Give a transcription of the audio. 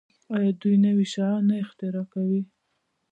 آیا دوی نوي شیان نه اختراع کوي؟